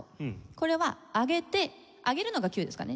これは上げて上げるのがキューですかね。